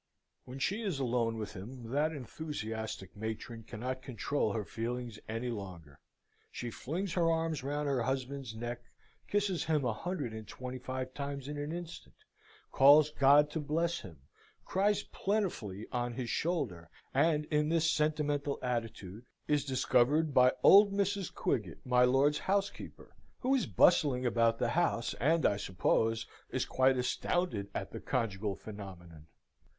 When she is alone with him, that enthusiastic matron cannot control her feelings any longer. She flings her arms round her husband's neck, kisses him a hundred and twenty five times in an instant calls God to bless him cries plentifully on his shoulder; and in this sentimental attitude is discovered by old Mrs. Quiggett, my lord's housekeeper, who is bustling about the house, and, I suppose, is quite astounded at the conjugal phenomenon.